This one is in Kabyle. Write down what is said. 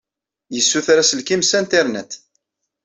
Yessuter aselkim s Internet.